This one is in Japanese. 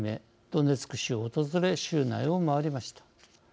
ドネツク州を訪れ州内を回りました。